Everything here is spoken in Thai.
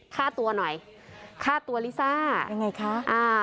ค่าตัวหน่อยค่าตัวลิซ่าเป็นไงคะ